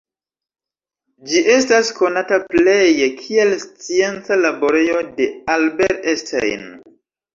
Ĝi estas konata pleje kiel scienca laborejo de Albert Einstein.